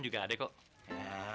juga adek kok